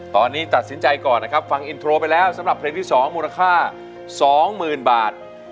ตอนนี้ตัดสินใจก่อนนะครับฟังอินโทรไปแล้วสำหรับเพลงที่๒มูลค่า๒๐๐๐บาท